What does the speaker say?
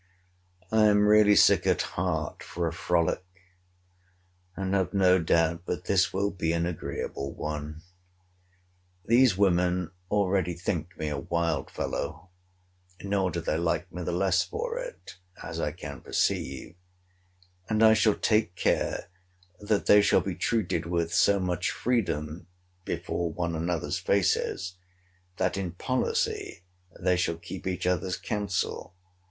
I am really sick at heart for a frolic, and have no doubt but this will be an agreeable one. These women already think me a wild fellow; nor do they like me the less for it, as I can perceive; and I shall take care, that they shall be treated with so much freedom before one another's faces, that in policy they shall keep each other's counsel.